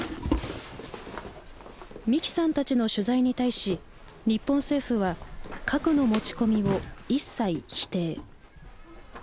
三木さんたちの取材に対し日本政府は「核の持ち込み」を一切否定。